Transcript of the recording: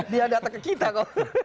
dia datang ke kita kok